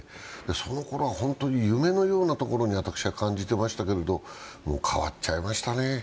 そのころは本当に夢のような所に私は感じてましたけどもう変わっちゃいましたね。